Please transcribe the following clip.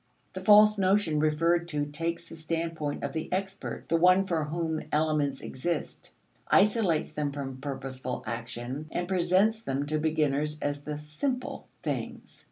The false notion referred to takes the standpoint of the expert, the one for whom elements exist; isolates them from purposeful action, and presents them to beginners as the "simple" things.